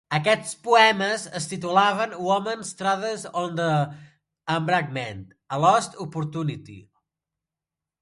Aquests poemes es titulaven "Women's Trades on the Embankment" i "A Lost Opportunity".